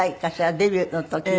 デビューの時は。